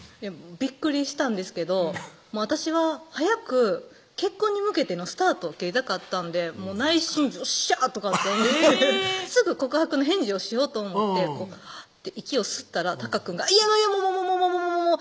びっくりしたんですけど私は早く結婚に向けてのスタートを切りたかったんで内心よっしゃとかって思ってすぐ告白の返事をしようと思ってハァって息を吸ったら隆くんが「いやいやいやもうもうもう」